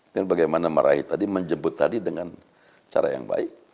dan bagaimana marahi tadi menjemput tadi dengan cara yang baik